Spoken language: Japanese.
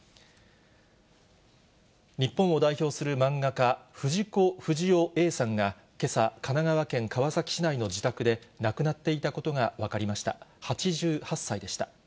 日本を代表する漫画家、藤子不二雄Ａさんがけさ、神奈川県川崎市内の自宅で亡くなっていたことが分かりました。